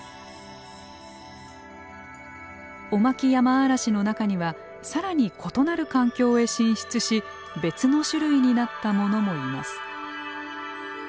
オマキヤマアラシの中には更に異なる環境へ進出し別の種類になった者もいます。